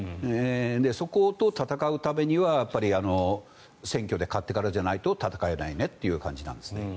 そこと戦うためには選挙で勝ってからじゃないと戦えないねという感じなんです。